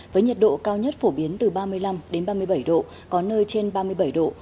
với nhiệt độ cao nhất phổ biến từ ba mươi năm ba mươi bảy độ có nơi trên ba mươi bảy độ